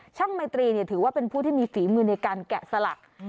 ไมตรีถือว่าเป็นผู้ที่มีฝีมือในการแกะสลัก